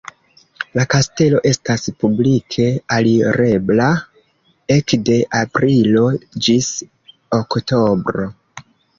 La kastelo estas publike alirebla ekde aprilo ĝis oktobro.